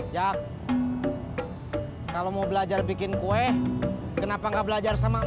jak kalau mau belajar bikin kue kenapa nggak belajar sama